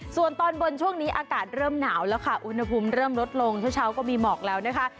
ส่วนตอนบนช่วงนี้อากาศเริ่มหนาวแล้วค่ะอุณหภูมิเริ่มลดลงเช้าเช้าก็มีหมอกแล้วนะคะ